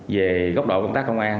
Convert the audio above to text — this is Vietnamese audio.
về góc độ công tác công an